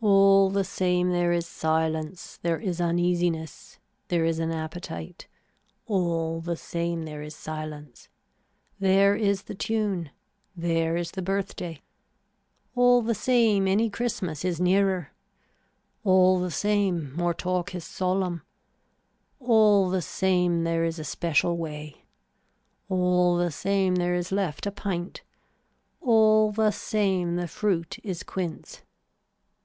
All the same there is silence, there is uneasiness, there is an appetite, all the same there is silence, there is the tune, there is the birthday. All the same any Christmas is nearer. All the same more talk is solemn. All the same there is a special way. All the same there is left a pint. All the same the fruit is quince.